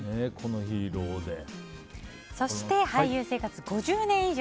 そして俳優生活５０年以上。